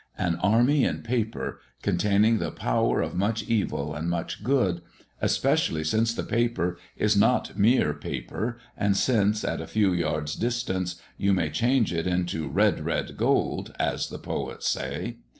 An army in paper, containing the power of much evil and much good, especially since the paper is not mere paper and since, at a few yards' distance, you may change it into "red, red gold," as the poets say.